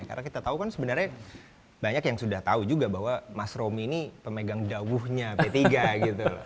karena kita tahu kan sebenarnya banyak yang sudah tahu juga bahwa mas romy ini pemegang jawuhnya p tiga gitu